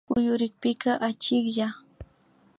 Kuyurikpika achiklla